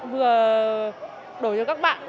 vừa đổi cho các bạn